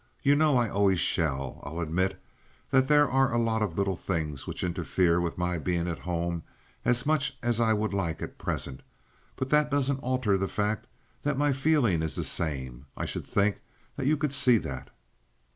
You know I always shall. I'll admit that there are a lot of little things which interfere with my being at home as much as I would like at present; but that doesn't alter the fact that my feeling is the same. I should think you could see that."